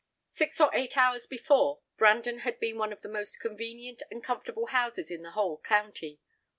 Six or eight hours before Brandon had been one of the most convenient and comfortable houses in the whole county.